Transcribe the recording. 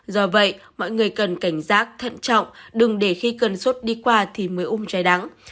do vậy mọi người cần cảnh giác thận trọng đừng để khi cần suốt đi qua thì mới um chai đắng